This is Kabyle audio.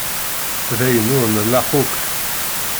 D ayen ur nlaq akk.